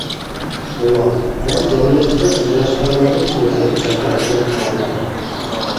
توۋا، مەن جەمئىيەتتە ئاجراشقانلارنى كۆرسەم نەپرەت بىلەن قارايتتىم.